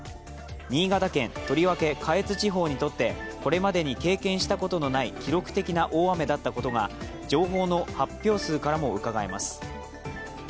新潟県、とりわけ下越地方にとってこれまでに経験したことのない記録的な大雨だったことが情報の発表数からもうかがえます。